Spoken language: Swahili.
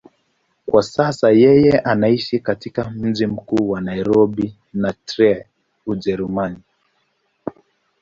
Kwa sasa yeye anaishi katika mji mkuu wa Nairobi na Trier, Ujerumani.